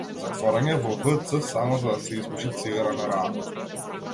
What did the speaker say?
Затворање во вц само за да се испуши цигара на раат.